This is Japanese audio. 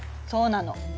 そうなの。